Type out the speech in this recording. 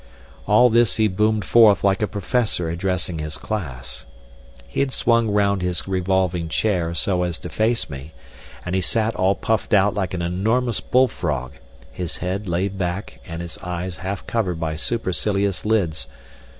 All this he boomed forth like a professor addressing his class. He had swung round his revolving chair so as to face me, and he sat all puffed out like an enormous bull frog, his head laid back and his eyes half covered by supercilious lids.